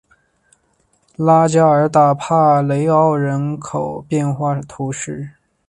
拉加尔代帕雷奥人口变化图示